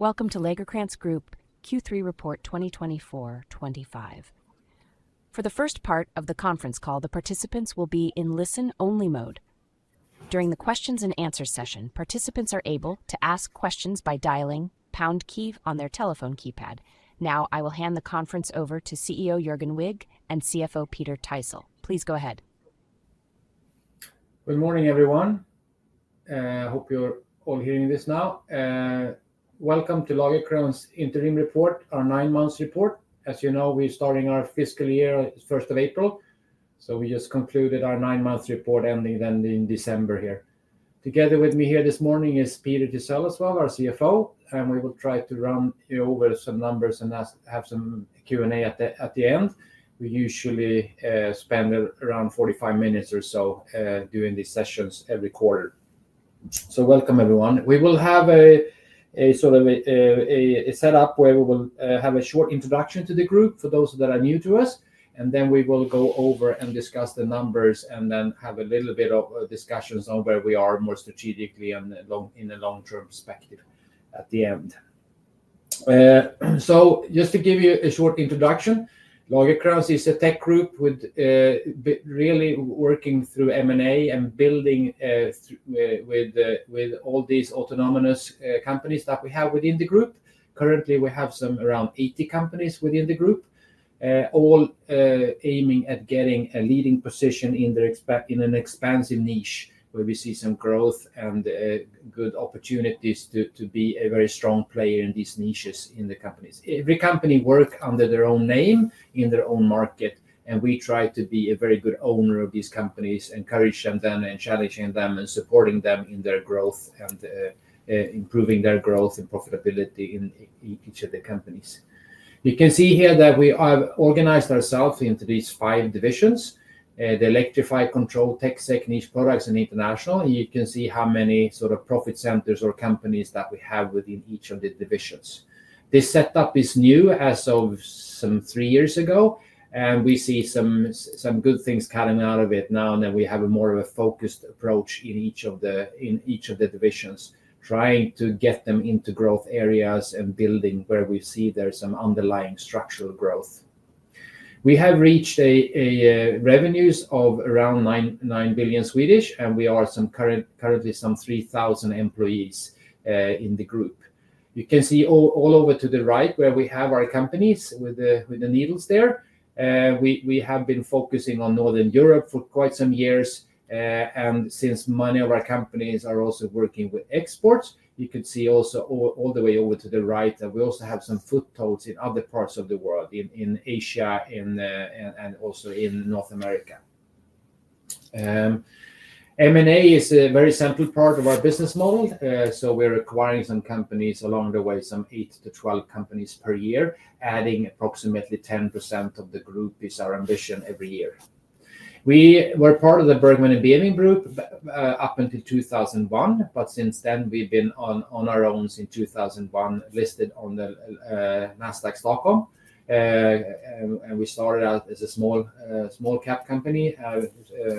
Welcome to Lagercrantz Group Q3 Report 2024-25. For the first part of the conference call, the participants will be in listen-only mode. During the Q&A session, participants are able to ask questions by dialing #KEYV on their telephone keypad. Now, I will hand the conference over to CEO Jörgen Wigh and CFO Peter Thysell. Please go ahead. Good morning, everyone. I hope you're all hearing this now. Welcome to Lagercrantz Interim Report, our nine-month report. As you know, we're starting our fiscal year on April 1st, so we just concluded our nine-month report ending in December here. Together with me here this morning is Peter Thysell as well, our CFO, and we will try to run over some numbers and have some Q&A at the end. We usually spend around 45 minutes or so doing these sessions every quarter. So welcome, everyone. We will have a sort of a setup where we will have a short introduction to the group for those that are new to us, and then we will go over and discuss the numbers and then have a little bit of discussions on where we are more strategically and in the long-term perspective at the end. So just to give you a short introduction, Lagercrantz is a tech group really working through M&A and building with all these autonomous companies that we have within the group. Currently, we have around 80 companies within the group, all aiming at getting a leading position in an expansive niche where we see some growth and good opportunities to be a very strong player in these niches in the companies. Every company works under their own name in their own market, and we try to be a very good owner of these companies, encouraging them and challenging them and supporting them in their growth and improving their growth and profitability in each of the companies. You can see here that we have organized ourselves into these five divisions: the Electrify, Control, TechSec, Niche Products, and International. You can see how many sort of profit centers or companies that we have within each of the divisions. This setup is new as of some three years ago, and we see some good things coming out of it now. Then we have more of a focused approach in each of the divisions, trying to get them into growth areas and building where we see there's some underlying structural growth. We have reached revenues of around 9 billion, and we are currently some 3,000 employees in the group. You can see all over to the right where we have our companies with the needles there. We have been focusing on Northern Europe for quite some years, and since many of our companies are also working with exports, you could see also all the way over to the right that we also have some footholds in other parts of the world, in Asia and also in North America. M&A is a very simple part of our business model, so we're acquiring some companies along the way, some eight to 12 companies per year, adding approximately 10% of the group is our ambition every year. We were part of the Bergman & Beving Group up until 2001, but since then we've been on our own since 2001, listed on the Nasdaq Stockholm. We started out as a small-cap company,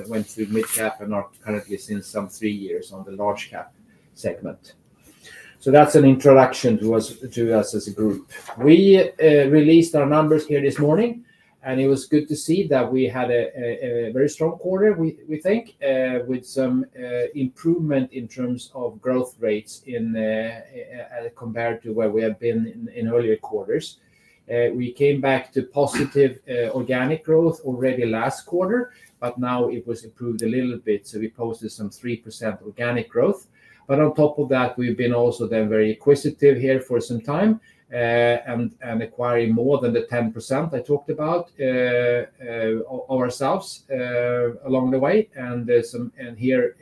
went to mid-cap, and are currently since some three years on the large-cap segment. So that's an introduction to us as a group. We released our numbers here this morning, and it was good to see that we had a very strong quarter, we think, with some improvement in terms of growth rates compared to where we have been in earlier quarters. We came back to positive organic growth already last quarter, but now it was improved a little bit, so we posted some 3% organic growth. But on top of that, we've been also then very acquisitive here for some time and acquiring more than the 10% I talked about ourselves along the way. Here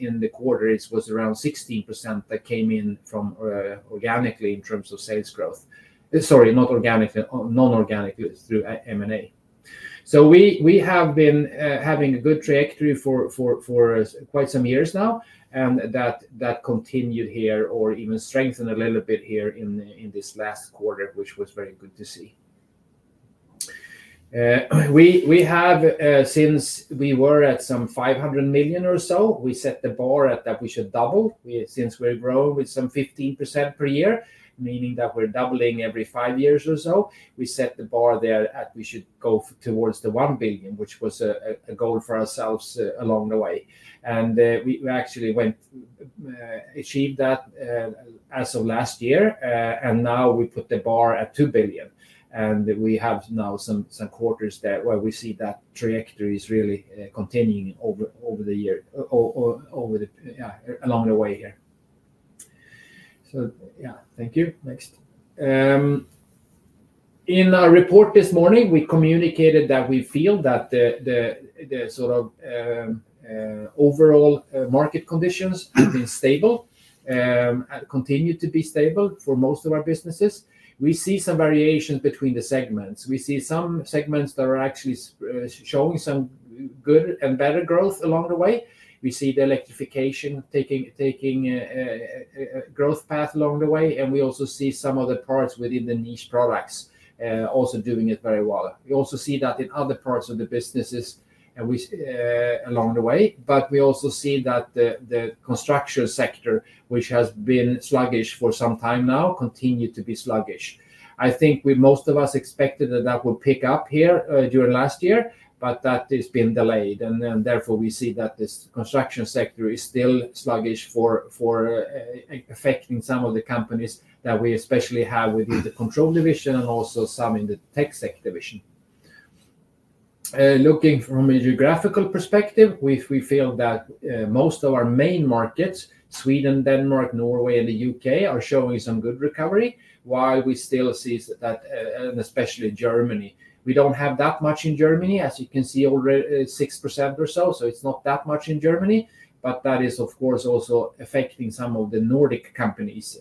in the quarter, it was around 16% that came in organically in terms of sales growth. Sorry, not organically, non-organically through M&A. So we have been having a good trajectory for quite some years now, and that continued here or even strengthened a little bit here in this last quarter, which was very good to see. We have, since we were at some 500 million or so, we set the bar at that we should double since we're growing with some 15% per year, meaning that we're doubling every five years or so. We set the bar there at we should go towards the 1 billion, which was a goal for ourselves along the way. We actually achieved that as of last year, and now we put the bar at 2 billion, and we have now some quarters there where we see that trajectory is really continuing over the year along the way here. So yeah, thank you. Next. In our report this morning, we communicated that we feel that the sort of overall market conditions have been stable and continue to be stable for most of our businesses. We see some variation between the segments. We see some segments that are actually showing some good and better growth along the way. We see the electrification taking a growth path along the way, and we also see some other parts within the Niche Products also doing it very well. We also see that in other parts of the businesses along the way, but we also see that the construction sector, which has been sluggish for some time now, continues to be sluggish. I think most of us expected that that would pick up here during last year, but that has been delayed, and therefore we see that this construction sector is still sluggish, affecting some of the companies that we especially have within the Control division and also some in the TechSec division. Looking from a geographical perspective, we feel that most of our main markets, Sweden, Denmark, Norway, and the U.K., are showing some good recovery, while we still see that, and especially Germany. We don't have that much in Germany, as you can see, 6% or so, so it's not that much in Germany, but that is, of course, also affecting some of the Nordic companies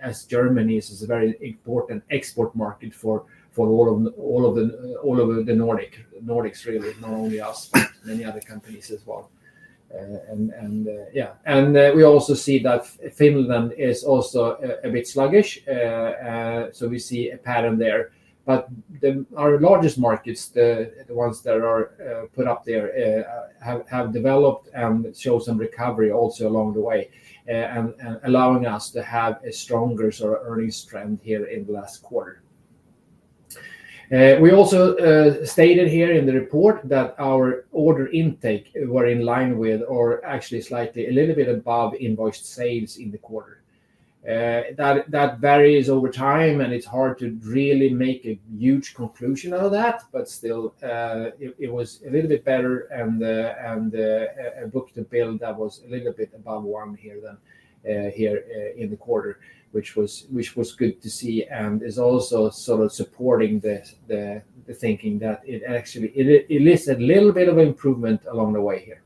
as Germany is a very important export market for all of the Nordics, really, not only us, but many other companies as well. Yeah, and we also see that Finland is also a bit sluggish, so we see a pattern there. Our largest markets, the ones that are put up there, have developed and show some recovery also along the way, allowing us to have a stronger sort of earnings trend here in the last quarter. We also stated here in the report that our order intake were in line with, or actually slightly, a little bit above invoiced sales in the quarter. That varies over time, and it's hard to really make a huge conclusion out of that, but still, it was a little bit better and a book to bill that was a little bit above one here in the quarter, which was good to see and is also sort of supporting the thinking that it actually indicates a little bit of improvement along the way here.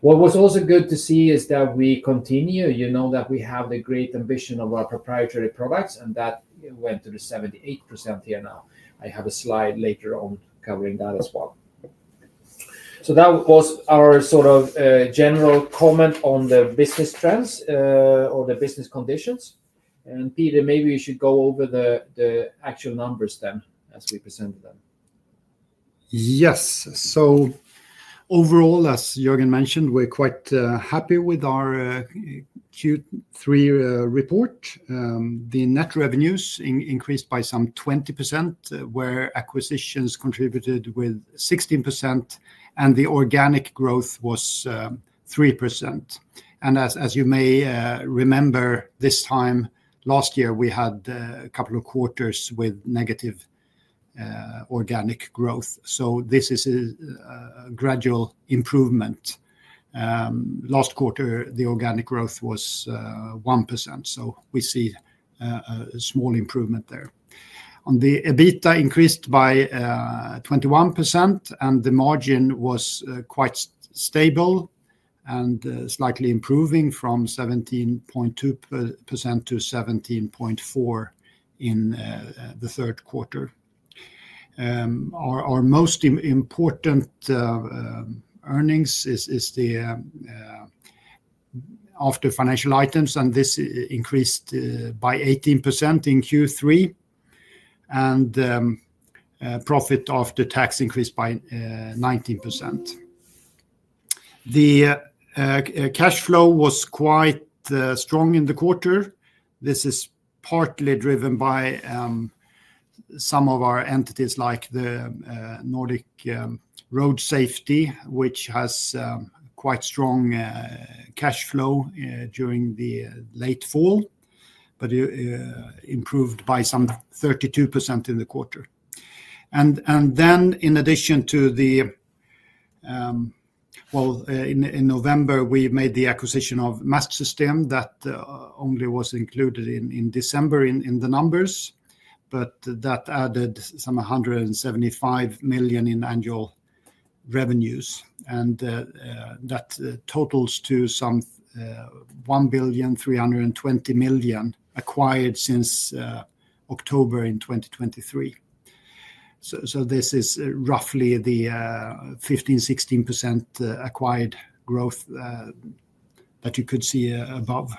What was also good to see is that we continue, you know, that we have the great ambition of our proprietary products and that went to the 78% here now. I have a slide later on covering that as well. So that was our sort of general comment on the business trends or the business conditions. Peter, maybe you should go over the actual numbers then as we presented them. Yes, so overall, as Jörgen mentioned, we're quite happy with our Q3 report. The net revenues increased by some 20%, where acquisitions contributed with 16%, and the organic growth was 3%, and as you may remember, this time last year, we had a couple of quarters with negative organic growth, so this is a gradual improvement. Last quarter, the organic growth was 1%, so we see a small improvement there. On the EBITDA, it increased by 21%, and the margin was quite stable and slightly improving from 17.2% to 17.4% in the third quarter. Our most important earnings is after financial items, and this increased by 18% in Q3, and profit after tax increased by 19%. The cash flow was quite strong in the quarter. This is partly driven by some of our entities like the Nordic Road Safety, which has quite strong cash flow during the late fall, but improved by some 32% in the quarter. Then, in addition to the, well, in November, we made the acquisition of Mastsystem that only was included in December in the numbers, but that added some 175 million in annual revenues, and that totals to some 1.32 billion acquired since October 2023. So this is roughly the 15%-16% acquired growth that you could see above.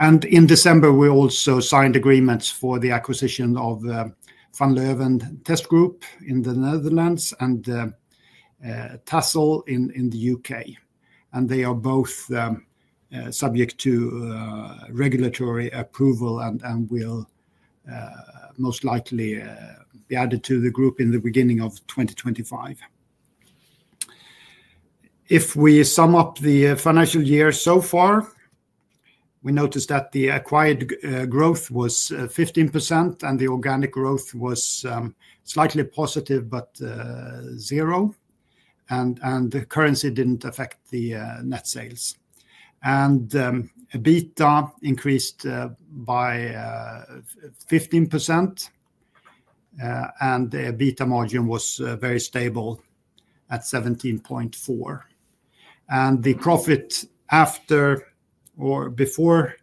In December, we also signed agreements for the acquisition of Van Leeuwen Test Group in the Netherlands and Thysell in the U.K. They are both subject to regulatory approval and will most likely be added to the group in the beginning of 2025. If we sum up the financial year so far, we noticed that the acquired growth was 15%, and the organic growth was slightly positive but zero, and the currency didn't affect the net sales, and EBITDA increased by 15%, and the EBITDA margin was very stable at 17.4%, and the profit after or before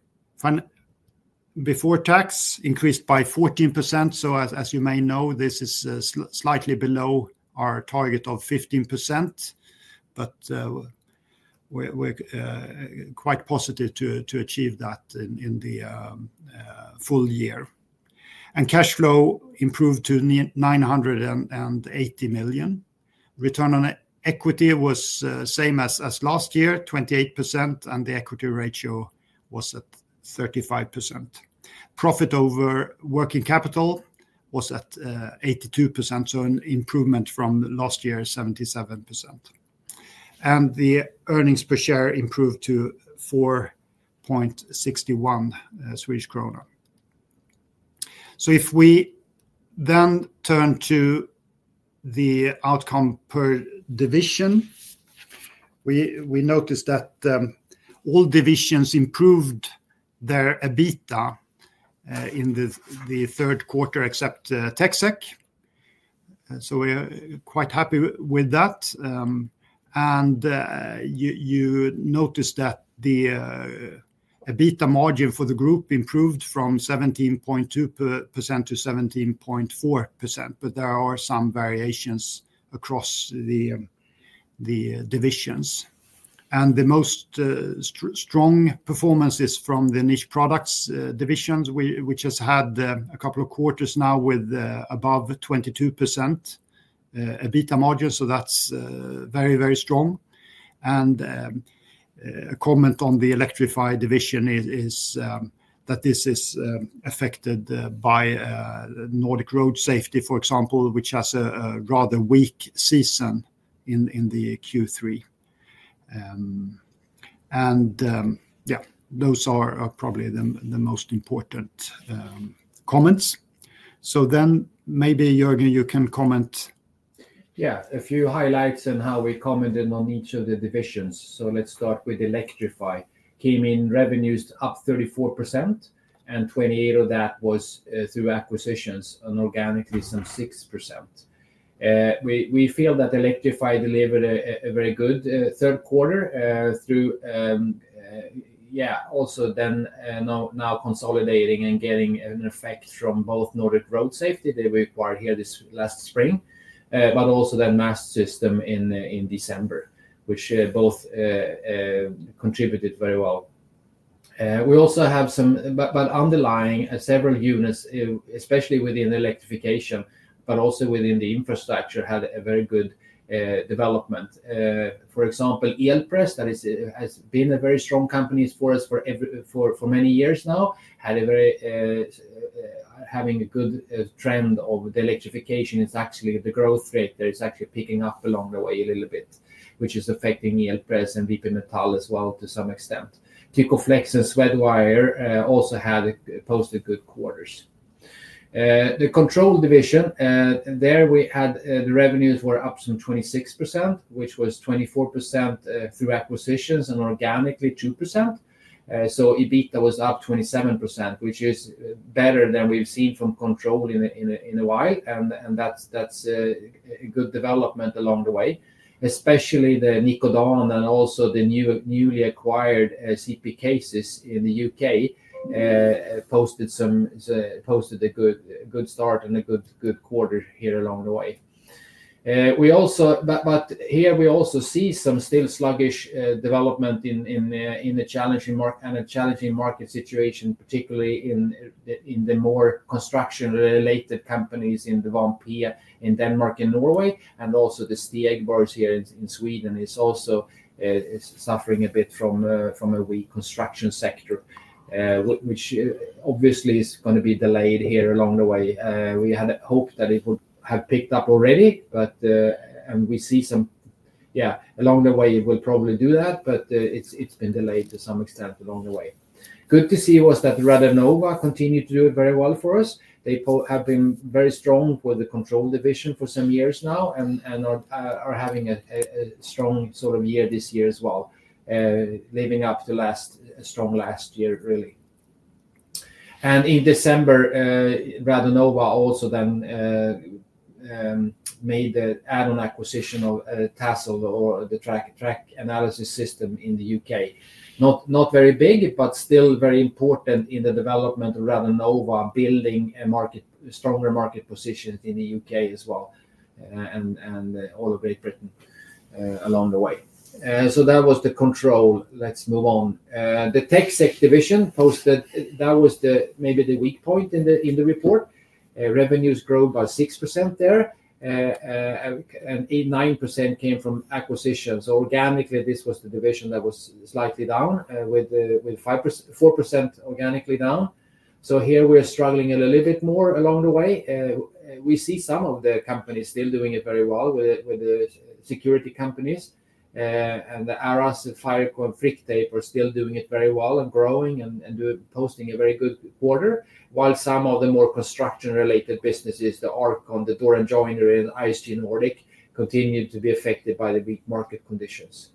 tax increased by 14%, so as you may know, this is slightly below our target of 15%, but we're quite positive to achieve that in the full year, and cash flow improved to 980 million. Return on equity was the same as last year, 28%, and the equity ratio was at 35%. Profit over working capital was at 82%, so an improvement from last year, 77%, and the earnings per share improved to 4.61 Swedish kronor. If we then turn to the outcome per division, we noticed that all divisions improved their EBITDA in the third quarter except TecSec. We're quite happy with that. You notice that the EBITDA margin for the group improved from 17.2% to 17.4%, but there are some variations across the divisions. The most strong performance is from the Niche Products division, which has had a couple of quarters now with above 22% EBITDA margin, so that's very, very strong. A comment on the Electrify division is that this is affected by Nordic Road Safety, for example, which has a rather weak season in the Q3. Yeah, those are probably the most important comments. Then maybe Jörgen, you can comment. Yeah, a few highlights on how we commented on each of the divisions. So let's start with Electrify. Came in revenues up 34%, and 28% of that was through acquisitions and organically some 6%. We feel that Electrify delivered a very good third quarter through, yeah, also then now consolidating and getting an effect from both Nordic Road Safety that we acquired here this last spring, but also then Mastsystem in December, which both contributed very well. We also have some, but underlying several units, especially within electrification, but also within the infrastructure had a very good development. For example, Elpress, that has been a very strong company for us for many years now, having a good trend of the electrification. It's actually the growth rate that is actually picking up along the way a little bit, which is affecting Elpress and VP Metall as well to some extent. Tykoflex and Swedwire also posted good quarters. The control division, there we had the revenues were up some 26%, which was 24% through acquisitions and organically 2%. So EBITDA was up 27%, which is better than we've seen from control in a while, and that's a good development along the way, especially the Nikodan and also the newly acquired CP Cases in the U.K. posted a good start and a good quarter here along the way. But here we also see some still sluggish development in a challenging market situation, particularly in the more construction-related companies in the Vanpée in Denmark and Norway, and also the Stigab here in Sweden is also suffering a bit from a weak construction sector, which obviously is going to be delayed here along the way. We had hoped that it would have picked up already, and we see some, yeah, along the way it will probably do that, but it's been delayed to some extent along the way. Good to see was that Radonova continued to do it very well for us. They have been very strong with the control division for some years now and are having a strong sort of year this year as well, living up to last strong year, really. In December, Radonova also then made the add-on acquisition of Trac Analysis Systems in the U.K.. Not very big, but still very important in the development of Radonova building a stronger market position in the U.K. as well and all of Great Britain along the way. So that was the control. Let's move on. The TechSec division posted, that was maybe the weak point in the report. Revenues grew by 6% there, and 9% came from acquisitions. Organically, this was the division that was slightly down with 4% organically down. So here we're struggling a little bit more along the way. We see some of the companies still doing it very well with the security companies, and the Aras, R-Con, and Frictape are still doing it very well and growing and posting a very good quarter, while some of the more construction-related businesses, the R-Con, the Door & Joinery, and ISG Nordic continued to be affected by the weak market conditions.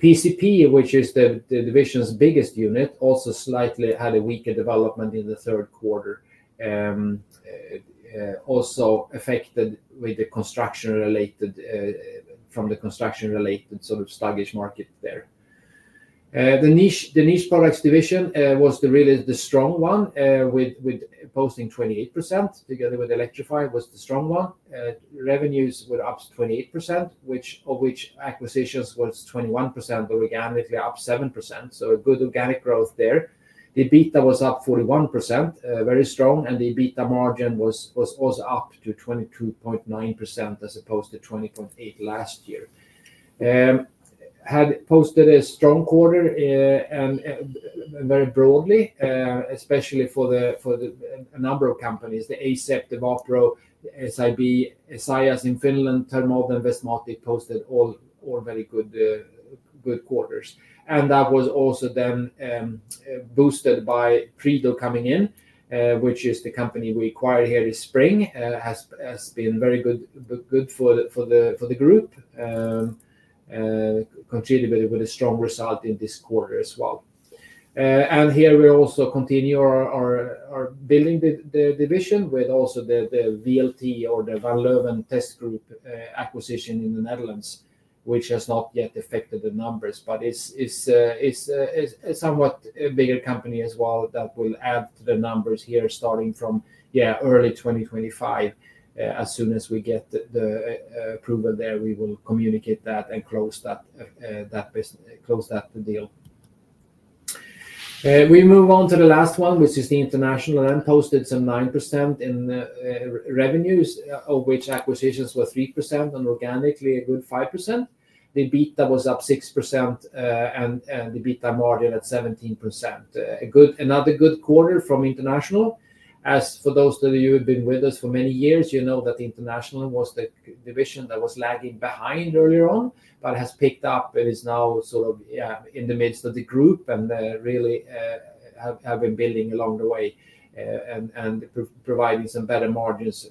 PCP, which is the division's biggest unit, also slightly had a weaker development in the third quarter, also affected by the construction-related sort of sluggish market there. The Niche Products division was really the strong one with posting 28% together with Electrify was the strong one. Revenues were up 28%, of which acquisitions was 21%, organically up 7%, so a good organic growth there. EBITDA was up 41%, very strong, and the EBITDA margin was also up to 22.9% as opposed to 20.8% last year. It had posted a strong quarter very broadly, especially for a number of companies, the Asept, the Wapro, SIB, Sajas in Finland, Thermod and, Westmatic posted all very good quarters. That was also then boosted by Friedel coming in, which is the company we acquired here this spring, has been very good for the group, contributed with a strong result in this quarter as well. Here we also continue our building the division with also the VLT or the Van Leeuwen Test Group acquisition in the Netherlands, which has not yet affected the numbers, but is a somewhat bigger company as well that will add to the numbers here starting from, yeah, early 2025. As soon as we get the approval there, we will communicate that and close that deal. We move on to the last one, which is the international, and then posted some 9% in revenues, of which acquisitions were 3% and organically a good 5%. The EBITDA was up 6% and the EBITDA margin at 17%. Another good quarter from international. As for those of you who have been with us for many years, you know that International was the division that was lagging behind earlier on, but has picked up and is now sort of in the midst of the group and really have been building along the way and providing some better margins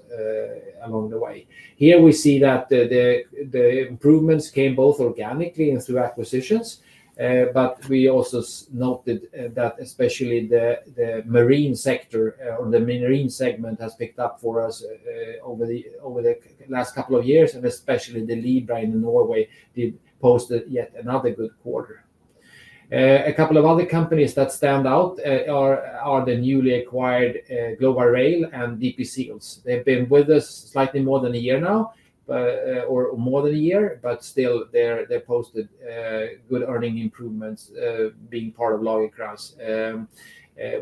along the way. Here we see that the improvements came both organically and through acquisitions, but we also noted that especially the marine sector or the marine segment has picked up for us over the last couple of years, and especially the Libra in Norway did post yet another good quarter. A couple of other companies that stand out are the newly acquired Glova Rail and DP Seals. They've been with us slightly more than a year now or more than a year, but still they posted good earnings improvements being part of Lagercrantz.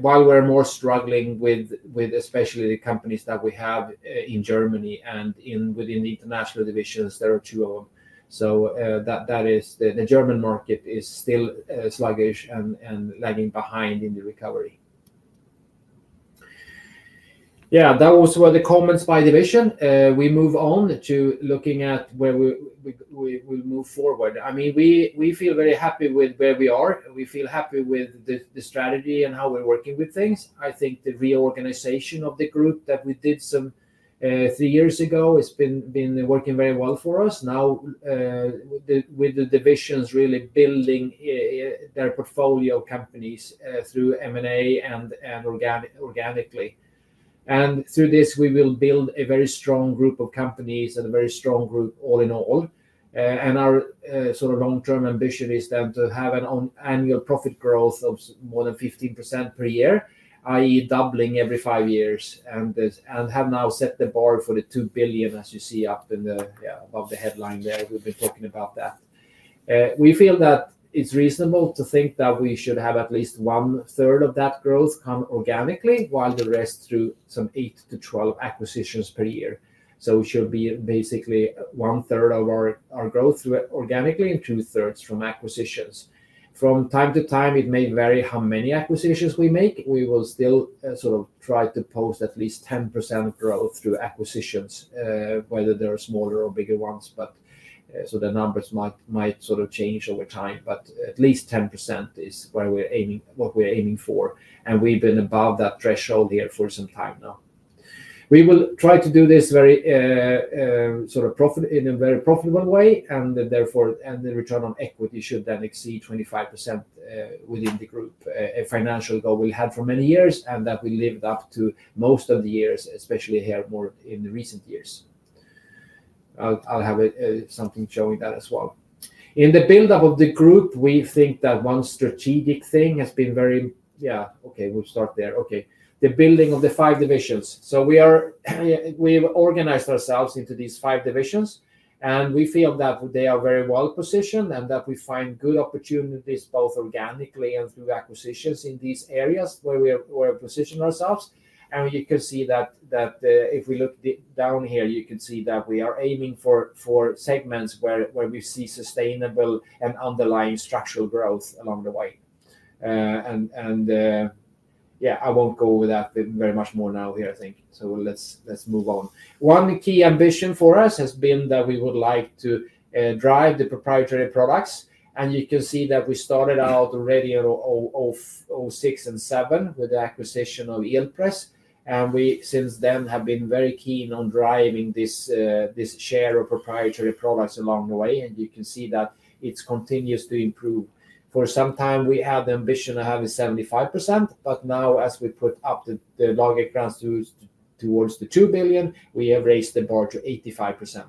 While we're more struggling with especially the companies that we have in Germany and within the international divisions, there are two of them. So the German market is still sluggish and lagging behind in the recovery. Yeah, that was the comments by division. We move on to looking at where we will move forward. I mean, we feel very happy with where we are. We feel happy with the strategy and how we're working with things. I think the reorganization of the group that we did some three years ago has been working very well for us. Now with the divisions really building their portfolio companies through M&A and organically and through this, we will build a very strong group of companies and a very strong group all in all. Our sort of long-term ambition is then to have an annual profit growth of more than 15% per year, i.e., doubling every five years, and have now set the bar for 2 billion as you see up in the headline there. We've been talking about that. We feel that it's reasonable to think that we should have at least one-third of that growth come organically while the rest through some 8 to 12 acquisitions per year. So it should be basically one-third of our growth organically and two-thirds from acquisitions. From time to time, it may vary how many acquisitions we make. We will still sort of try to post at least 10% growth through acquisitions, whether they're smaller or bigger ones. So the numbers might sort of change over time, but at least 10% is what we're aiming for. We've been above that threshold here for some time now. We will try to do this sort of in a very profitable way, and therefore the return on equity should then exceed 25% within the group. A financial goal we've had for many years and that we lived up to most of the years, especially here more in the recent years. I'll have something showing that as well. In the buildup of the group, we think that one strategic thing has been very, yeah, okay, we'll start there. Okay, the building of the five divisions. So we've organized ourselves into these five divisions, and we feel that they are very well positioned and that we find good opportunities both organically and through acquisitions in these areas where we're positioning ourselves. You can see that if we look down here, you can see that we are aiming for segments where we see sustainable and underlying structural growth along the way. Yeah, I won't go over that very much more now here, I think. So let's move on. One key ambition for us has been that we would like to drive the proprietary products. And you can see that we started out already in 2006 and 2007 with the acquisition of Elpress. We since then have been very keen on driving this share of proprietary products along the way. You can see that it continues to improve. For some time, we had the ambition of having 75%, but now as we put up the Lagercrantz towards the 2 billion, we have raised the bar to 85%.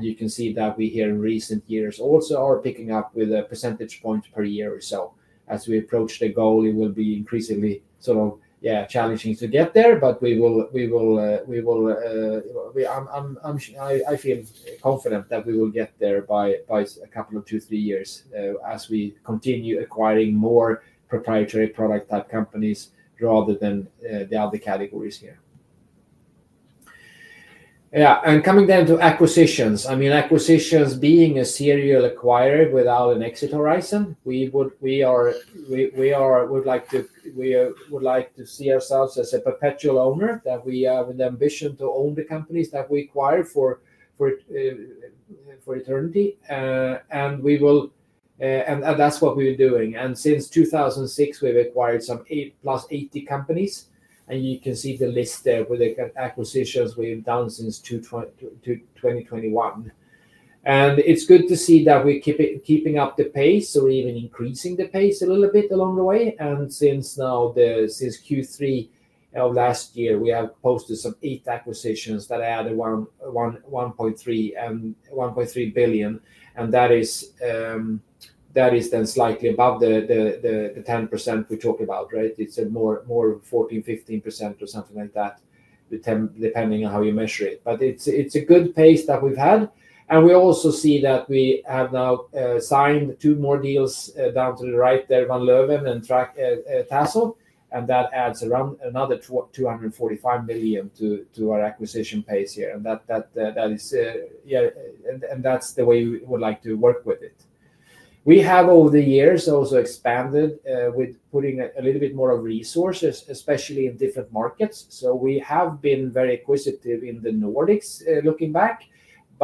You can see that we, here in recent years, also are picking up with a percentage point per year or so. As we approach the goal, it will be increasingly sort of, yeah, challenging to get there, but we will. I feel confident that we will get there by a couple of two, three years as we continue acquiring more proprietary product-type companies rather than the other categories here. Yeah, and coming down to acquisitions. I mean, acquisitions being a serial acquirer without an exit horizon, we would like to see ourselves as a perpetual owner that we have an ambition to own the companies that we acquire for eternity. And that's what we're doing. And since 2006, we've acquired some plus 80 companies. And you can see the list there with the acquisitions we've done since 2021. It's good to see that we're keeping up the pace or even increasing the pace a little bit along the way. Since now, since Q3 of last year, we have posted some eight acquisitions that added 1.3 billion. That is then slightly above the 10% we talked about, right? It's more 14%-15% or something like that, depending on how you measure it. But it's a good pace that we've had. We also see that we have now signed two more deals down to the right there, Van Leeuwen and Thysell, and that adds another 245 million to our acquisition pace here. That is, yeah, and that's the way we would like to work with it. We have over the years also expanded with putting a little bit more of resources, especially in different markets. So we have been very acquisitive in the Nordics looking back,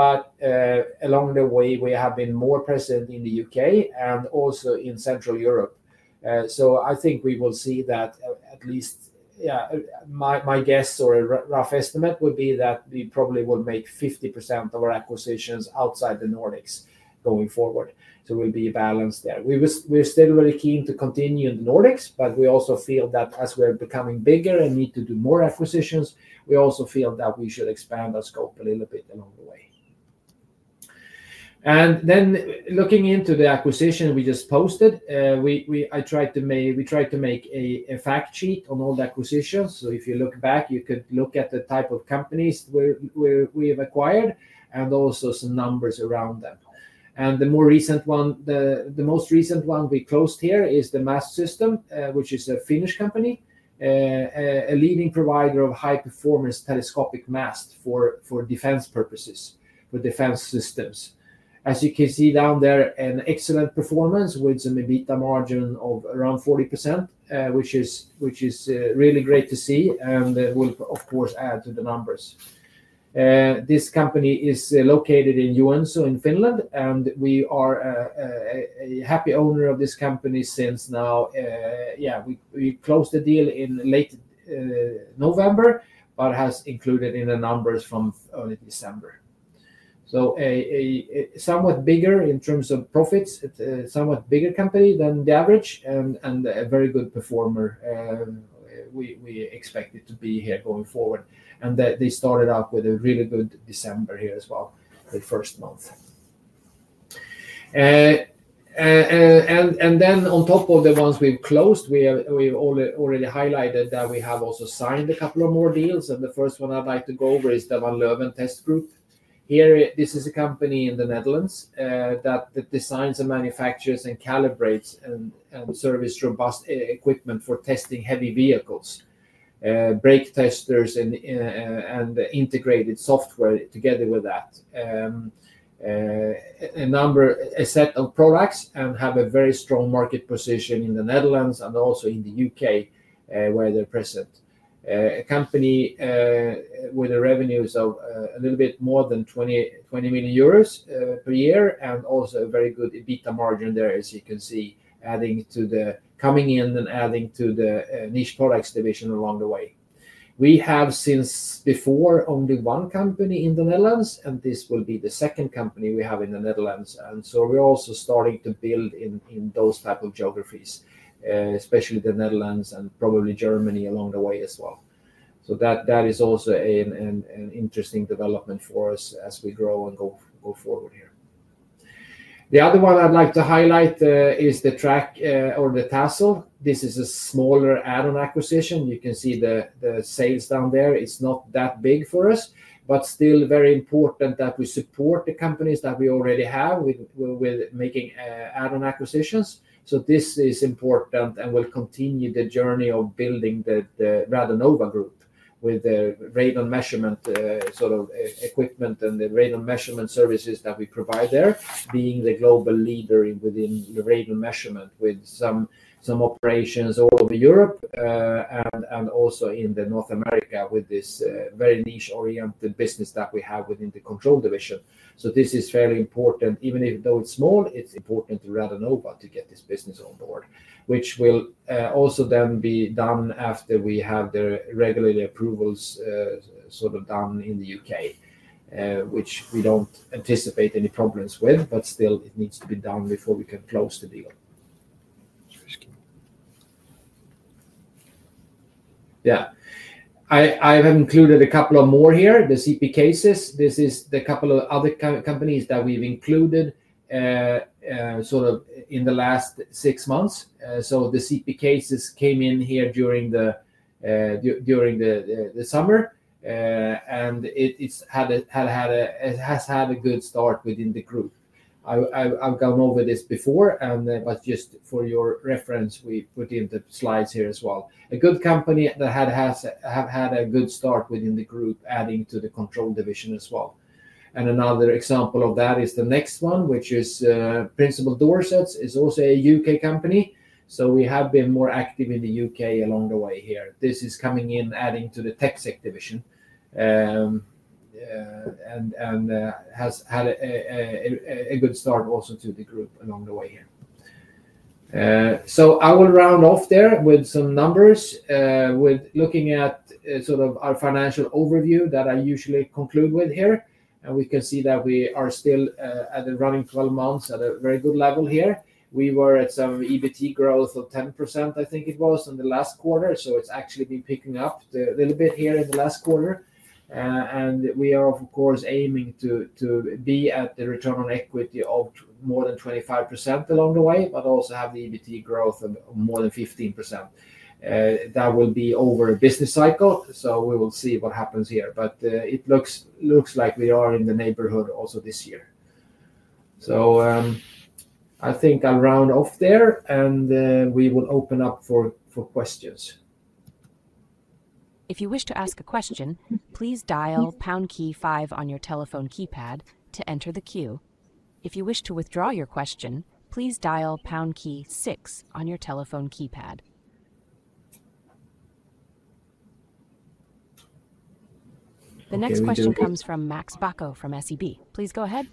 but along the way, we have been more present in the U.K. and also in Central Europe. So I think we will see that at least, yeah, my guess or a rough estimate would be that we probably will make 50% of our acquisitions outside the Nordics going forward. So we'll be balanced there. We're still very keen to continue in the Nordics, but we also feel that as we're becoming bigger and need to do more acquisitions, we also feel that we should expand our scope a little bit along the way. And then looking into the acquisition we just posted, I tried to make a fact sheet on all the acquisitions. So if you look back, you could look at the type of companies we've acquired and also some numbers around them. The more recent one, the most recent one we closed here is the Mastsystem, which is a Finnish company, a leading provider of high-performance telescopic mast for defense purposes, for defense systems. As you can see down there, an excellent performance with some EBITDA margin of around 40%, which is really great to see and will, of course, add to the numbers. This company is located in Joensuu in Finland, and we are a happy owner of this company since now, yeah, we closed the deal in late November, but has included in the numbers from early December. So somewhat bigger in terms of profits, somewhat bigger company than the average and a very good performer. We expect it to be here going forward. They started out with a really good December here as well, the first month. Then on top of the ones we've closed, we've already highlighted that we have also signed a couple of more deals. The first one I'd like to go over is the Van Leeuwen Test Group. Here, this is a company in the Netherlands that designs and manufactures and calibrates and services robust equipment for testing heavy vehicles, brake testers, and integrated software together with that. A set of products and have a very strong market position in the Netherlands and also in the U.K. where they're present. A company with revenues of a little bit more than 20 million euros per year and also a very good EBITDA margin there, as you can see, adding to the coming in and adding to the Niche Products division along the way. We have since before only one company in the Netherlands, and this will be the second company we have in the Netherlands, and so we're also starting to build in those type of geographies, especially the Netherlands and probably Germany along the way as well, so that is also an interesting development for us as we grow and go forward here. The other one I'd like to highlight is the Trac or the Thysell. This is a smaller add-on acquisition. You can see the sales down there. It's not that big for us, but still very important that we support the companies that we already have with making add-on acquisitions. This is important and will continue the journey of building the Radonova Group with the radon measurement sort of equipment and the radon measurement services that we provide there, being the global leader within the radon measurement with some operations all over Europe and also in North America with this very niche-oriented business that we have within the control division. This is fairly important. Even though it's small, it's important to Radonova to get this business on board, which will also then be done after we have the regulatory approvals sort of done in the U.K., which we don't anticipate any problems with, but still it needs to be done before we can close the deal. Yeah. I have included a couple of more here, the CP Cases. This is the couple of other companies that we've included sort of in the last six months. So the CP Cases came in here during the summer, and it has had a good start within the group. I've gone over this before, but just for your reference, we put in the slides here as well. A good company that have had a good start within the group, adding to the Control division as well. And another example of that is the next one, which is Principal Doorsets, is also a U.K. company. So we have been more active in the U.K. along the way here. This is coming in, adding to the TechSec division and has had a good start also to the group along the way here. So I will round off there with some numbers, with looking at sort of our financial overview that I usually conclude with here. We can see that we are still at the running 12 months at a very good level here. We were at some EBITDA growth of 10%, I think it was in the last quarter. So it's actually been picking up a little bit here in the last quarter. We are, of course, aiming to be at the return on equity of more than 25% along the way, but also have the EBITDA growth of more than 15%. That will be over a business cycle. So we will see what happens here. But it looks like we are in the neighborhood also this year. So I think I'll round off there, and we will open up for questions. If you wish to ask a question, please dial pound key five on your telephone keypad to enter the queue. If you wish to withdraw your question, please dial pound key six on your telephone keypad. The next question comes from Max Bacco from SEB. Please go ahead.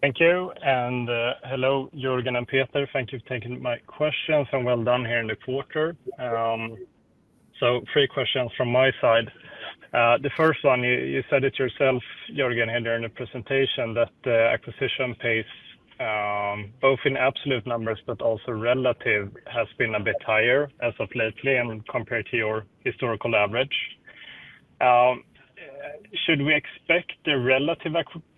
Thank you and hello, Jörgen and Peter. Thank you for taking my questions. Well done here in the quarter, so three questions from my side. The first one, you said it yourself, Jörgen, earlier in the presentation that the acquisition pace, both in absolute numbers but also relative, has been a bit higher as of lately and compared to your historical average. Should we expect the relative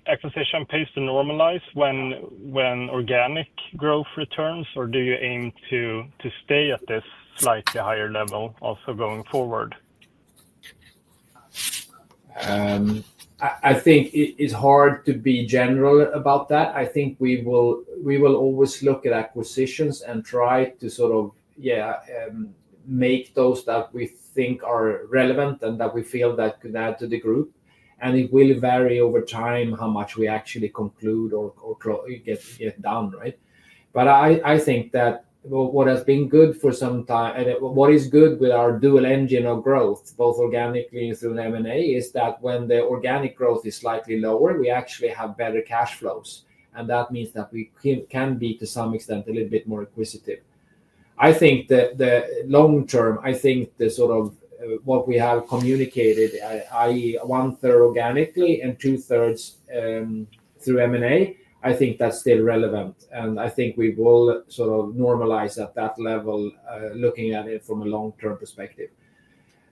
acquisition pace to normalize when organic growth returns, or do you aim to stay at this slightly higher level also going forward? I think it's hard to be general about that. I think we will always look at acquisitions and try to sort of, yeah, make those that we think are relevant and that we feel that could add to the group. It will vary over time how much we actually conclude or get done, right? But I think that what has been good for some time, and what is good with our dual engine of growth, both organically and through M&A, is that when the organic growth is slightly lower, we actually have better cash flows. That means that we can be to some extent a little bit more acquisitive. I think that the long term, I think the sort of what we have communicated, i.e., one third organically and two thirds through M&A, I think that's still relevant. I think we will sort of normalize at that level, looking at it from a long-term perspective.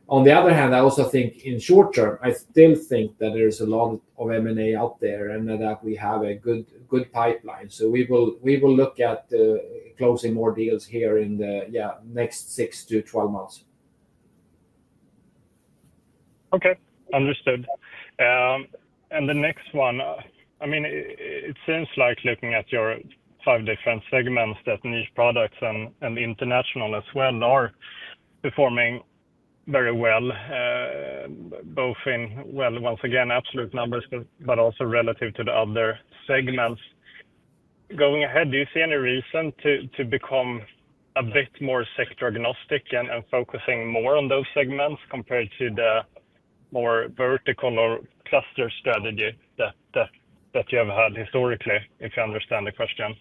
On the other hand, I also think in short term, I still think that there is a lot of M&A out there and that we have a good pipeline. So we will look at closing more deals here in the, yeah, next six to 12 months. Okay. Understood. The next one, I mean, it seems like looking at your five different segments, that niche products and international as well are performing very well, both in, well, once again, absolute numbers, but also relative to the other segments. Going ahead, do you see any reason to become a bit more sector-agnostic and focusing more on those segments compared to the more vertical or cluster strategy that you have had historically, if you understand the question?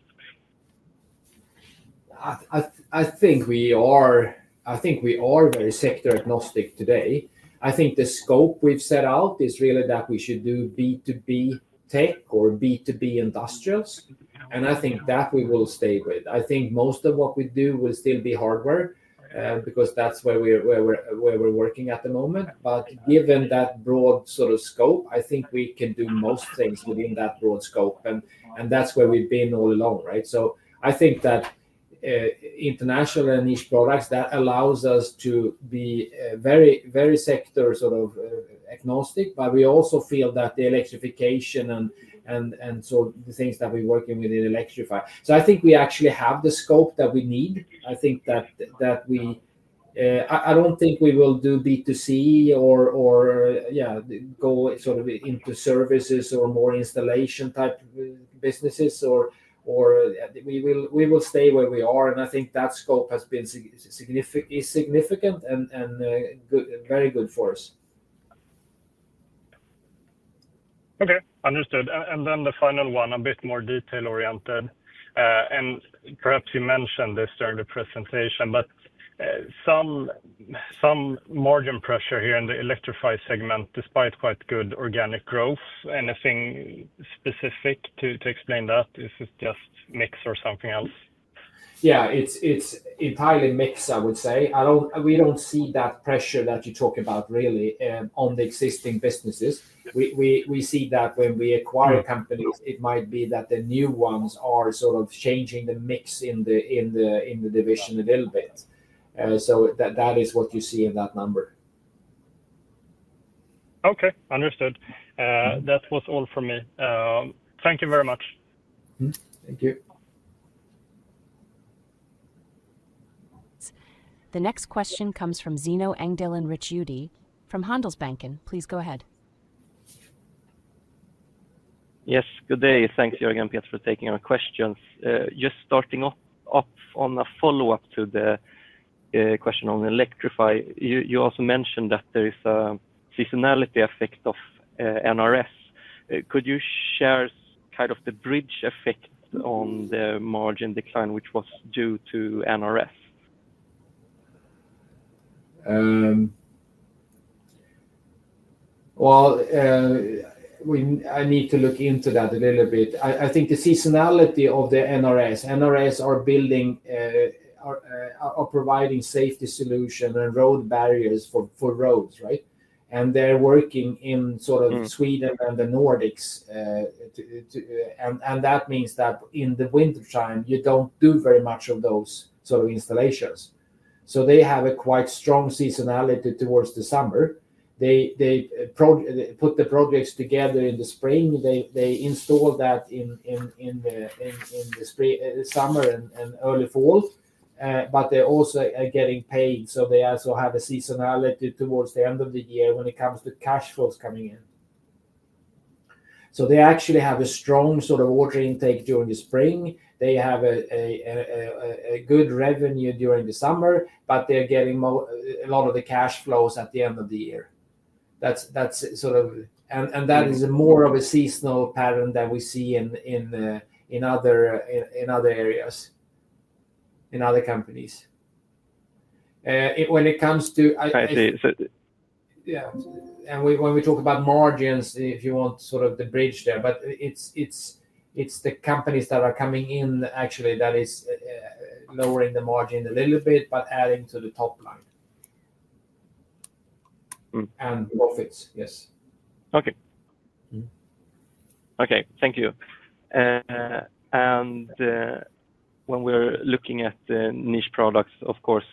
I think we are very sector-agnostic today. I think the scope we've set out is really that we should do B2B tech or B2B industrials. I think that we will stay with. I think most of what we do will still be hardware because that's where we're working at the moment. But given that broad sort of scope, I think we can do most things within that broad scope. That's where we've been all along, right? So I think that International and Niche Products, that allows us to be very sector sort of agnostic, but we also feel that the electrification and sort of the things that we're working with in Electrify. So I think we actually have the scope that we need. I think that we I don't think we will do B2C or, yeah, go sort of into services or more installation type businesses, or we will stay where we are. I think that scope has been significant and very good for us. Okay. Understood. Then the final one, a bit more detail-oriented. Perhaps you mentioned this during the presentation, but some margin pressure here in the Electrify segment, despite quite good organic growth. Anything specific to explain that? Is it just mix or something else? Yeah, it's entirely mix, I would say. We don't see that pressure that you talk about really on the existing businesses. We see that when we acquire companies, it might be that the new ones are sort of changing the mix in the division a little bit. So that is what you see in that number. Okay. Understood. That was all for me. Thank you very much. Thank you. The next question comes from Zino Engdalen Ricciuti. From Handelsbanken, please go ahead. Yes. Good day. Thanks, Jörgen and Peter, for taking our questions. Just starting off on a follow-up to the question on Electrify, you also mentioned that there is a seasonality effect of NRS. Could you share kind of the bridge effect on the margin decline, which was due to NRS? Well, I need to look into that a little bit. I think the seasonality of the NRS, NRS are providing safety solutions and road barriers for roads, right? They're working in sort of Sweden and the Nordics. And that means that in the wintertime, you don't do very much of those sort of installations. So they have a quite strong seasonality towards the summer. They put the projects together in the spring. They install that in the summer and early fall. But they're also getting paid. So they also have a seasonality towards the end of the year when it comes to cash flows coming in. So they actually have a strong sort of order intake during the spring. They have a good revenue during the summer, but they're getting a lot of the cash flows at the end of the year. That is more of a seasonal pattern that we see in other areas, in other companies. When we talk about margins, if you want sort of the bridge there, but it's the companies that are coming in actually that is lowering the margin a little bit, but adding to the top line, and profits, yes. Okay. Okay. Thank you. When we're looking at the Niche Products, of course,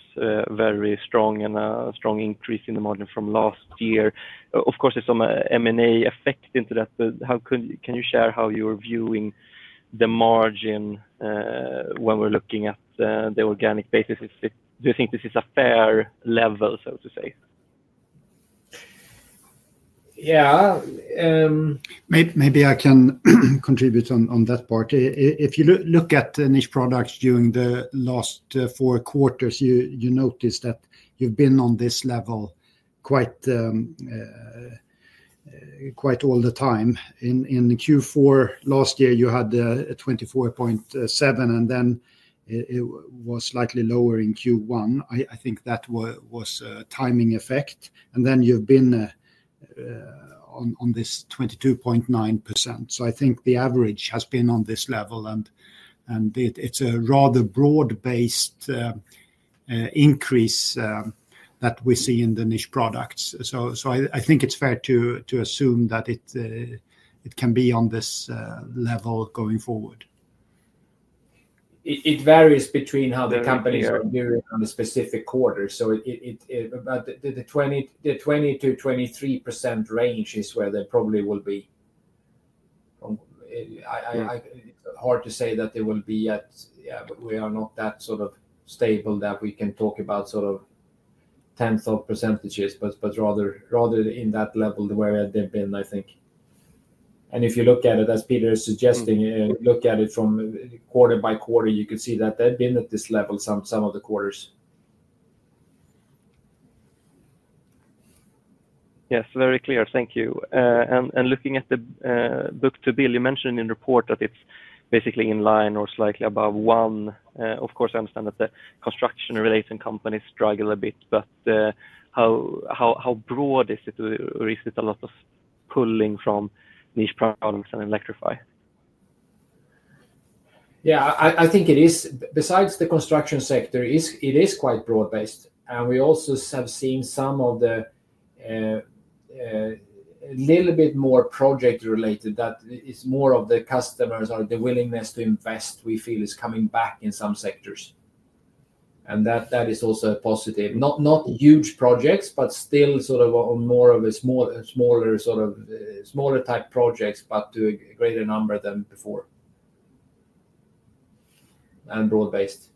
very strong and a strong increase in the margin from last year. Of course, there's some M&A effect into that. Can you share how you're viewing the margin when we're looking at the organic basis? Do you think this is a fair level, so to say? Yeah. Maybe I can contribute on that part. If you look at Niche Products during the last four quarters, you notice that you've been on this level quite all the time. In Q4 last year, you had 24.7%, and then it was slightly lower in Q1. I think that was a timing effect, and then you've been on this 22.9%. So I think the average has been on this level, and it's a rather broad-based increase that we see in the Niche Products. So I think it's fair to assume that it can be on this level going forward. It varies between how the companies are doing on the specific quarter. But the 20%-23% range is where they probably will be. It's hard to say that they will be at. Yeah, we are not that sort of stable that we can talk about sort of tenth of percentages, but rather in that level where they've been, I think. And if you look at it, as Peter is suggesting, look at it from quarter by quarter, you could see that they've been at this level some of the quarters. Yes. Very clear. Thank you. And looking at the book to bill, you mentioned in the report that it's basically in line or slightly above one. Of course, I understand that the construction-related companies struggle a bit, but how broad is it, or is it a lot of pulling from Niche Products and Electrify? Yeah, I think it is. Besides the construction sector, it is quite broad-based. We also have seen some of the little bit more project-related that is more of the customers or the willingness to invest. We feel it is coming back in some sectors. That is also a positive. Not huge projects, but still sort of more of a smaller type projects, but to a greater number than before. And broad-based.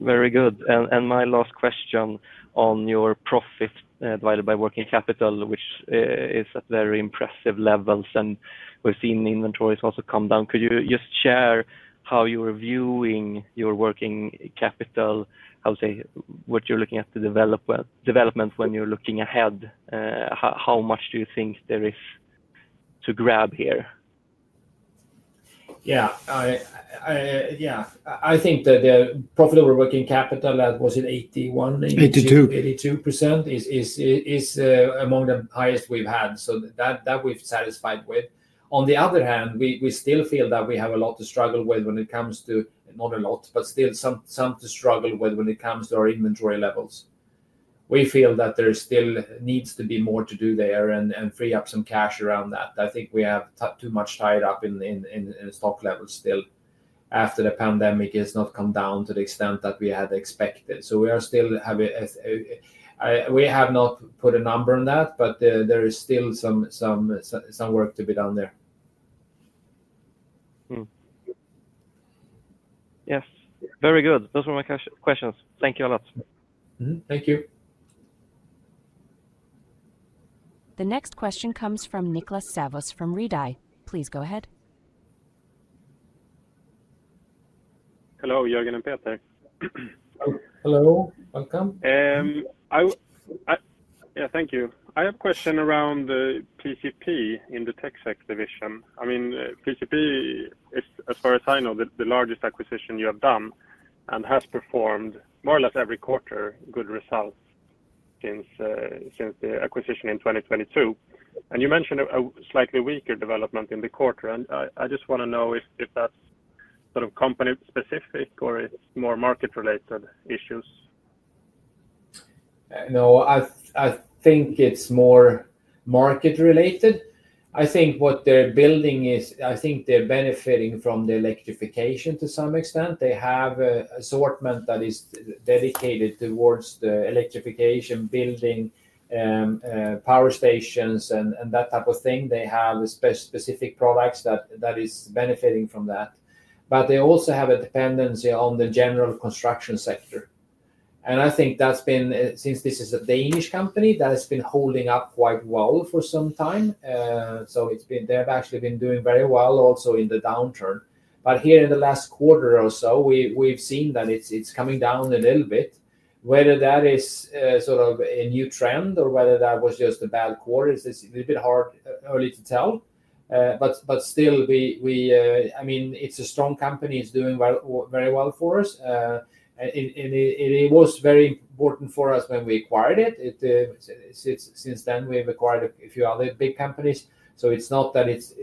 Very good. My last question on your profit over working capital, which is at very impressive levels, and we've seen inventories also come down. Could you just share how you're viewing your working capital, how you're looking at the development when you're looking ahead? How much do you think there is to grab here? Yeah. I think that the profit over working capital that was at 82% is among the highest we've had. So that we're satisfied with. On the other hand, we still feel that we have a lot to struggle with when it comes to, not a lot, but still some to struggle with when it comes to our inventory levels. We feel that there still needs to be more to do there and free up some cash around that. I think we have too much tied up in stock levels still after the pandemic has not come down to the extent that we had expected. So we are still having a we have not put a number on that, but there is still some work to be done there. Yes. Very good. Those were my questions. Thank you a lot. Thank you. The next question comes from Niklas Sävås from Redeye. Please go ahead. Hello, Jörgen and Peter. Hello. Welcome. Yeah. Thank you. I have a question around the PCP in the TechSec division. I mean, PCP is, as far as I know, the largest acquisition you have done and has performed more or less every quarter good results since the acquisition in 2022, and you mentioned a slightly weaker development in the quarter, and I just want to know if that's sort of company-specific or it's more market-related issues. No, I think it's more market-related. I think what they're building is, I think they're benefiting from the electrification to some extent. They have an assortment that is dedicated toward the electrification, building power stations, and that type of thing. They have specific products that are benefiting from that, but they also have a dependency on the general construction sector, and I think that's been, since this is a Danish company, that has been holding up quite well for some time, so they've actually been doing very well also in the downturn. But here in the last quarter or so, we've seen that it's coming down a little bit. Whether that is sort of a new trend or whether that was just a bad quarter is a little bit hard early to tell. But still, I mean, it's a strong company. It's doing very well for us. And it was very important for us when we acquired it. Since then, we've acquired a few other big companies. So it's not that it's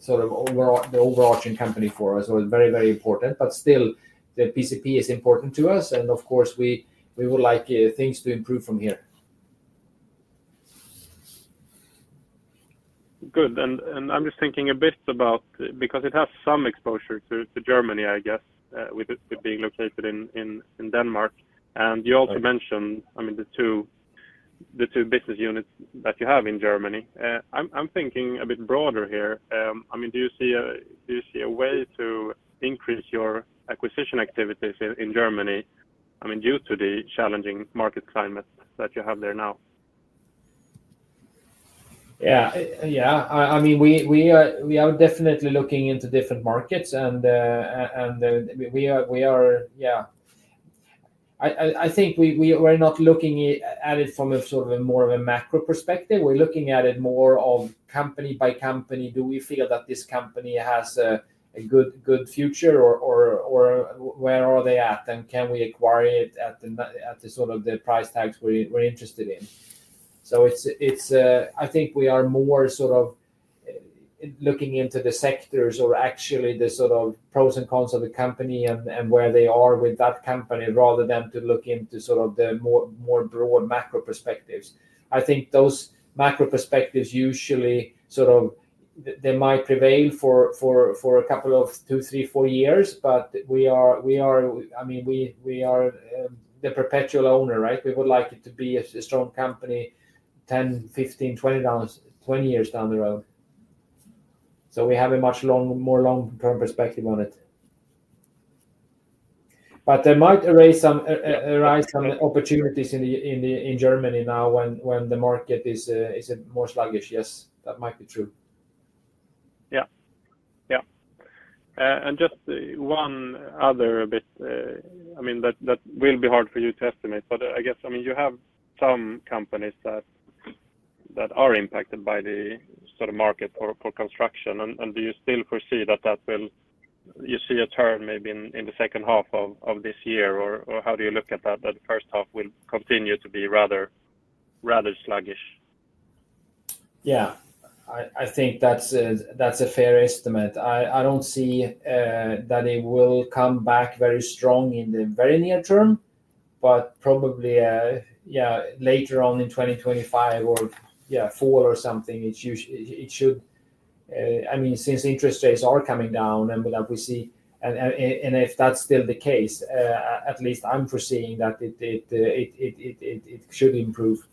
sort of the overarching company for us or very, very important. But still, the PCP is important to us. And of course, we would like things to improve from here. Good. And I'm just thinking a bit about, because it has some exposure to Germany, I guess, with it being located in Denmark. And you also mentioned, I mean, the two business units that you have in Germany. I'm thinking a bit broader here. I mean, do you see a way to increase your acquisition activities in Germany? I mean, due to the challenging market climate that you have there now? Yeah. Yeah. I mean, we are definitely looking into different markets, and we are. Yeah. I think we're not looking at it from sort of a more of a macro perspective. We're looking at it more of company by company. Do we feel that this company has a good future, or where are they at, and can we acquire it at sort of the price tags we're interested in? So I think we are more sort of looking into the sectors or actually the sort of pros and cons of the company and where they are with that company rather than to look into sort of the more broad macro perspectives. I think those macro perspectives usually sort of they might prevail for a couple of two, three, four years, but we are, I mean, we are the perpetual owner, right? We would like it to be a strong company 10, 15, 20 years down the road. So we have a much more long-term perspective on it. But there might arise some opportunities in Germany now when the market is more sluggish. Yes, that might be true. Yeah. Yeah. And just one other bit, I mean, that will be hard for you to estimate, but I guess, I mean, you have some companies that are impacted by the sort of market for construction. And do you still foresee that that will you see a turn maybe in the second half of this year, or how do you look at that? That the first half will continue to be rather sluggish? Yeah. I think that's a fair estimate. I don't see that it will come back very strong in the very near term, but probably, yeah, later on in 2025 or, yeah, fall or something, it should, I mean, since interest rates are coming down and we see, and if that's still the case, at least I'm foreseeing that it should improve.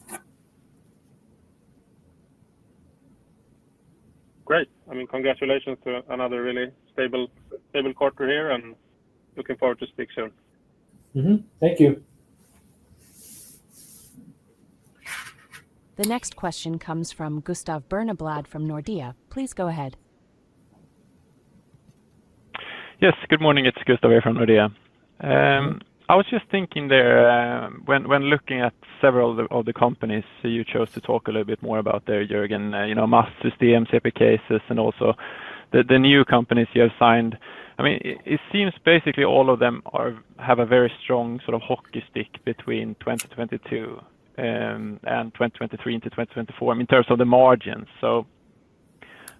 Great. I mean, congratulations to another really stable quarter here, and looking forward to speaking soon. Thank you. The next question comes from Gustav Berneblad from Nordea. Please go ahead. Yes. Good morning. It's Gustav here from Nordea. I was just thinking there when looking at several of the companies you chose to talk a little bit more about there, Jörgen, Mastsystem, Stigab, CP Cases, and also the new companies you have signed. I mean, it seems basically all of them have a very strong sort of hockey stick between 2022 and 2023 into 2024, I mean, in terms of the margins. So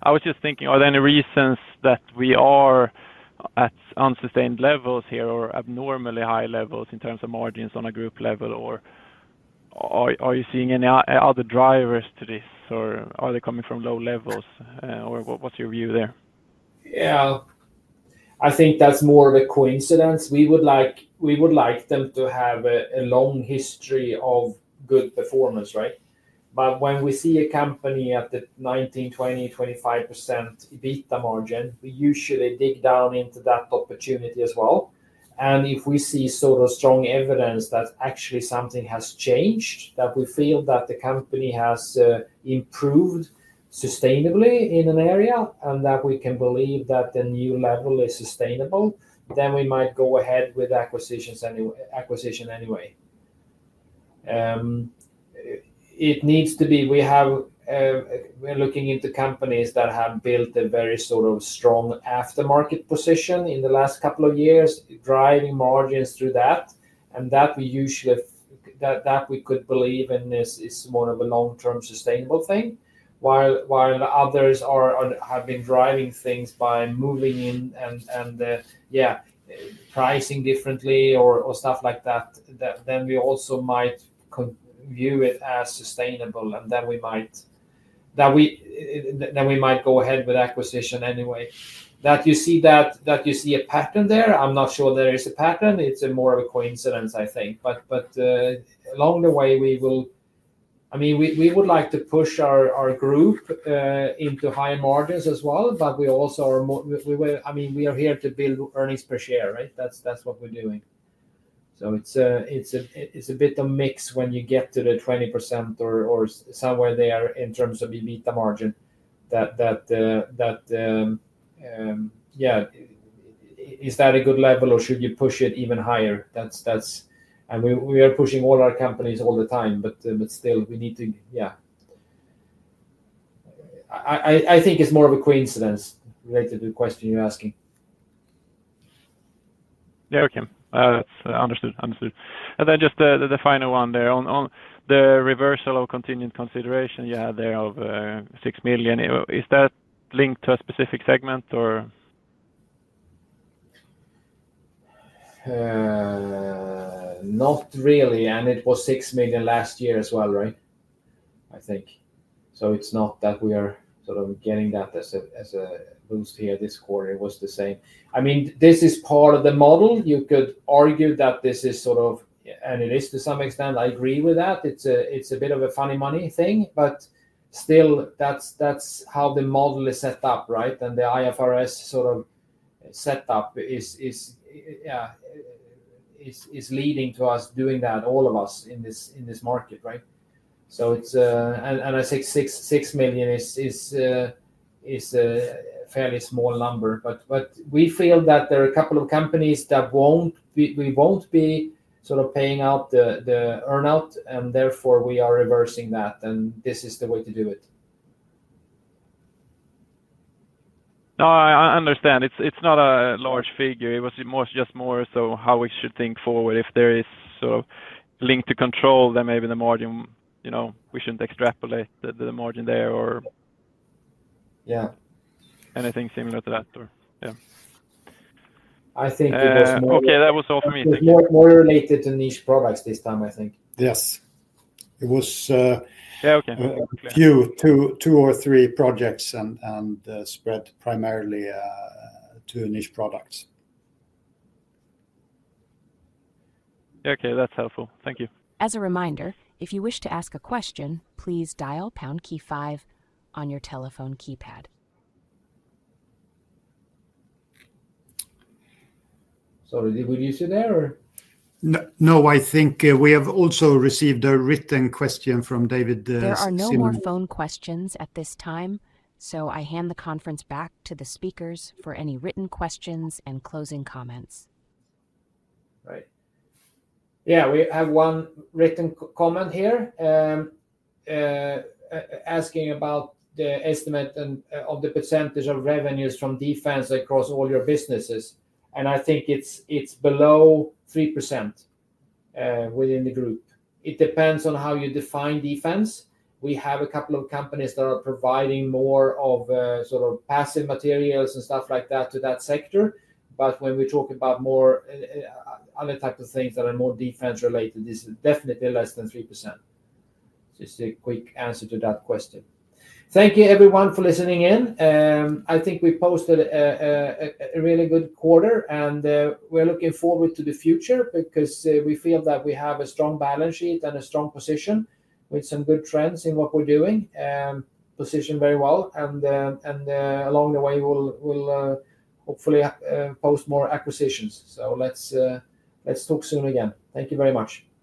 I was just thinking, are there any reasons that we are at unsustained levels here or abnormally high levels in terms of margins on a group level, or are you seeing any other drivers to this, or are they coming from low levels, or what's your view there? Yeah. I think that's more of a coincidence. We would like them to have a long history of good performance, right? But when we see a company at the 19%, 20%, 25% EBITDA margin, we usually dig down into that opportunity as well. If we see sort of strong evidence that actually something has changed, that we feel that the company has improved sustainably in an area, and that we can believe that the new level is sustainable, then we might go ahead with acquisition anyway. It needs to be we're looking into companies that have built a very sort of strong aftermarket position in the last couple of years, driving margins through that. And that we usually could believe in is more of a long-term sustainable thing. While others have been driving things by moving in and, yeah, pricing differently or stuff like that, then we also might view it as sustainable, and then we might go ahead with acquisition anyway. That you see a pattern there, I'm not sure there is a pattern. It's more of a coincidence, I think. But along the way, we will. I mean, we would like to push our group into higher margins as well, but we also are. I mean, we are here to build earnings per share, right? That's what we're doing. So it's a bit of mix when you get to the 20% or somewhere there in terms of EBITDA margin. That, yeah, is that a good level, or should you push it even higher? And we are pushing all our companies all the time, but still, we need to, yeah. I think it's more of a coincidence related to the question you're asking. Yeah. Okay. Understood. Understood. And then just the final one there. On the reversal of contingent consideration you had there of 6 million, is that linked to a specific segment, or? Not really. And it was 6 million last year as well, right? I think. So it's not that we are sort of getting that as a boost here this quarter. It was the same. I mean, this is part of the model. You could argue that this is sort of, and it is to some extent. I agree with that. It's a bit of a funny money thing, but still, that's how the model is set up, right? And the IFRS sort of setup is, yeah, is leading to us doing that, all of us in this market, right? So it's, and I say six million is a fairly small number. But we feel that there are a couple of companies that we won't be sort of paying out the earn-out, and therefore, we are reversing that, and this is the way to do it. No, I understand. It's not a large figure. It was just more so how we should think forward. If there is sort of link to control, then maybe the margin, we shouldn't extrapolate the margin there, or anything similar to that, or yeah. I think it was more. Okay. That was all for me. Thank you. It's more related to niche products this time, I think. Yes. It was a few, two or three projects and spread primarily to niche products. Okay. That's helpful. Thank you. As a reminder, if you wish to ask a question, please dial pound key five on your telephone keypad. Sorry. Did we lose you there, or? No, I think we have also received a written question from David. There are no more phone questions at this time, so I hand the conference back to the speakers for any written questions and closing comments. Right. Yeah. We have one written comment here asking about the estimate of the percentage of revenues from defense across all your businesses. I think it's below 3% within the group. It depends on how you define defense. We have a couple of companies that are providing more of sort of passive materials and stuff like that to that sector. But when we talk about other types of things that are more defense-related, it's definitely less than 3%. Just a quick answer to that question. Thank you, everyone, for listening in. I think we posted a really good quarter, and we're looking forward to the future because we feel that we have a strong balance sheet and a strong position with some good trends in what we're doing, positioned very well. Along the way, we'll hopefully post more acquisitions. So let's talk soon again. Thank you very much.